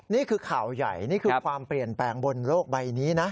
นี่คือข่าวใหญ่นี่คือความเปลี่ยนแปลงบนโลกใบนี้นะ